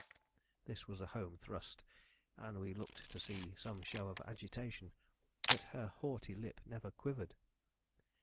This was a home thrust, and we looked to see some show of agitation, but her haughty lip never quivered.